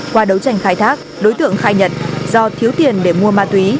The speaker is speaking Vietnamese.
qua đấu tranh khai thác đối tượng khai nhận do thiếu tiền để mua ma túy